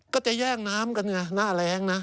ก็จะแย่งน้ำกันไงหน้าแรงนะ